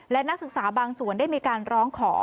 และนักศึกษาบางส่วนได้มีการร้องขอ